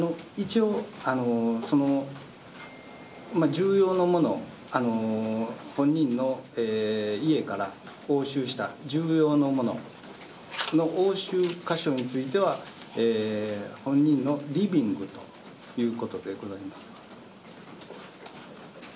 銃様のもの、本人の家から押収した銃様のものの押収箇所については本人のリビングということでございます。